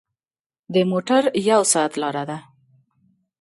د موټر یو ساعت لاره ده.